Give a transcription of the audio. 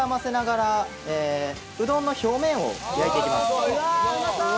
「うわあうまそう！」